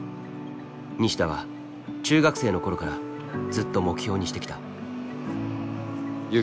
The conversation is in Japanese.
西田は中学生の頃からずっと目標にしてきた。